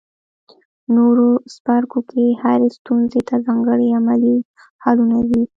نورو څپرکو کې هرې ستونزې ته ځانګړي عملي حلونه دي.